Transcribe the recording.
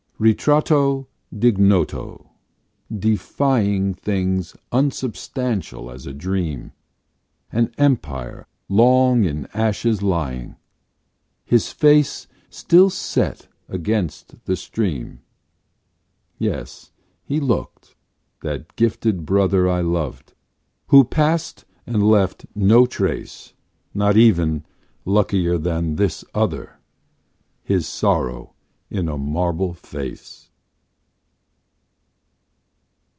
Ritratto d'ignoto; defying Things unsubstantial as a dream An Empire, long in ashes lying His face still set against the stream. Yes, so he looked, that gifted brother I loved, who passed and left no trace, Not even luckier than this other His sorrow in a marble face.